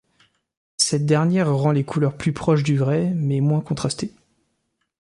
Cette dernière rend les couleurs plus proches du vrai mais moins contrastées.